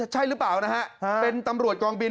ใช่หรือเปล่านะฮะเป็นตำรวจกองบิน